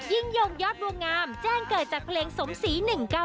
ยิ่งยงยอดบัวงามแจ้งเกิดจากเพลงสมศรี๑๙๙